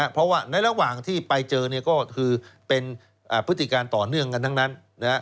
เพราะว่าในระหว่างที่ไปเจอก็คือเป็นพฤติการต่อเนื่องกันทั้งนั้น